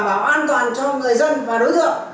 và bảo bảo an toàn cho người dân và đối tượng